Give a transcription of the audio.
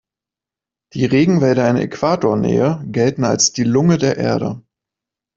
Die Regenwälder in Äquatornähe gelten als die Lunge der Erde.